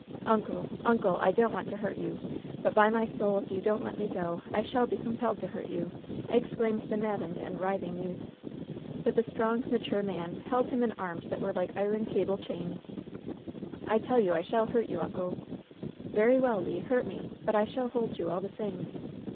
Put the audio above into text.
^TJncle ! uncle ! I don't want to hurt you, but, by my soul, if you don't let me go, I shall be compelled to hurt you !" exclaimed the maddened and writhing youth. But the strong, mature man held him in arms that were like iron cable chains. 'T[ tell you I shall hurt you, uncle I" "Very well, Le 1 Hurt me 1 But I shall hold you all the same."